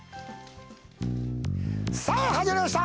さあ、始まりました！